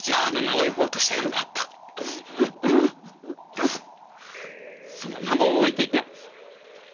でもその名も覚えていない！